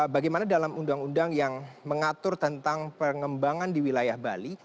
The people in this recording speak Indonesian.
bagaimana dalam undang undang yang mengatur tentang pengembangan di wilayah bali